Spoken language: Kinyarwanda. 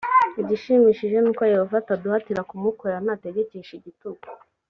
igishimishije ni uko yehova ataduhatira kumukorera ntategekesha igitugu